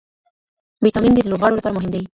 ویټامن ډي د لوبغاړو لپاره مهم دی.